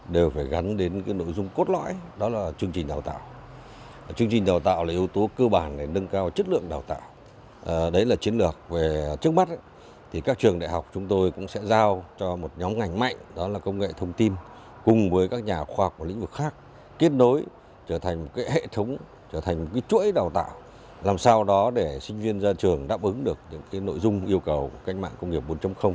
đào tạo là yếu tố cơ bản để nâng cao chất lượng đào tạo đấy là chiến lược về trước mắt các trường đại học chúng tôi cũng sẽ giao cho một nhóm ngành mạnh đó là công nghệ thông tin cùng với các nhà khoa học của lĩnh vực khác kết nối trở thành một hệ thống trở thành một chuỗi đào tạo làm sao đó để sinh viên ra trường đáp ứng được những nội dung yêu cầu của cách mạng công nghiệp bốn